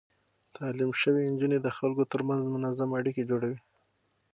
تعليم شوې نجونې د خلکو ترمنځ منظم اړيکې جوړوي.